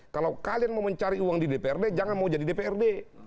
kalau kalian mau mencari uang di dprd jangan mau jadi dprd